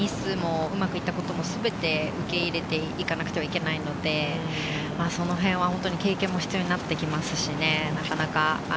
ミスもうまくいったこともすべて受け入れていかなくてはいけないので、そのへんは本当に経験も必要になってきますしね。